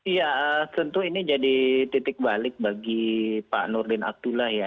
iya tentu ini jadi titik balik bagi pak nurdin abdullah ya